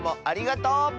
ありがとう！